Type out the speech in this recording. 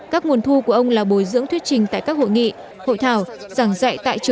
các nguồn thu của ông là bồi dưỡng thuyết trình tài liệu